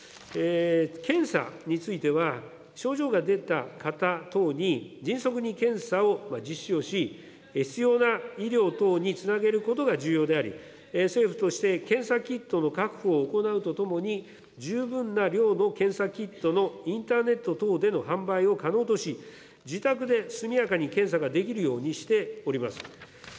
検査については、症状が出た方等に迅速に検査を実施をし、必要な医療等につなげることが重要であり、政府として検査キットの確保を行うとともに、十分な量の検査キットのインターネット等での販売を可能とし、自宅で速やかに検査ができるようにしております。